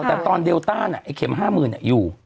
แต่ตอนเดลต้านไอ้เข็ม๕๐๐๐อยู่